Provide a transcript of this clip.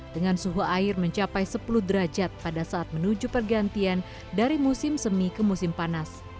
dengan suhu air mencapai sepuluh derajat pada saat menuju pergantian dari musim semi ke musim panas